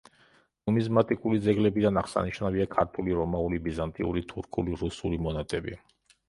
ნუმიზმატიკური ძეგლებიდან აღსანიშნავია ქართული, რომაული, ბიზანტიური, თურქული, რუსული მონეტები.